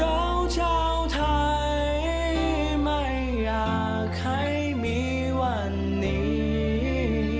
เราเจ้าไทยไม่อยากให้มีวันนี้